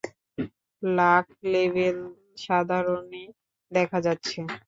Lakh level সাধারণই দেখা যাচ্ছে।